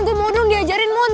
gue mau dong diajarin moon